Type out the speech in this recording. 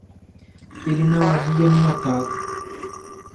Ele não havia me notado.